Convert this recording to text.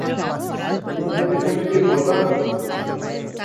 नजिते पनि के भो र!